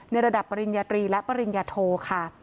ระดับปริญญาตรีและปริญญาโทค่ะ